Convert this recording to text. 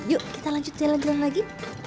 yuk kita lanjut jalan lagi